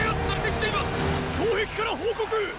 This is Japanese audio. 東壁から報告！